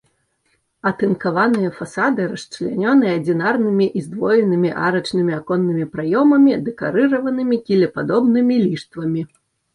Атынкаваныя фасады расчлянёны адзінарнымі і здвоенымі арачнымі аконнымі праёмамі, дэкарыраванымі кілепадобнымі ліштвамі.